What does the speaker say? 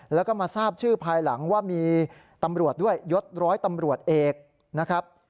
แล้วก็มาทราบชื่อภายหลังว่ามีตำรวจด้วยยศร้อยตำรวจเอกนะครับ